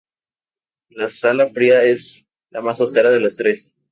La sala fría es la más austera de las tres.